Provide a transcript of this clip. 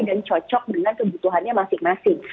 dan cocok dengan kebutuhannya masing masing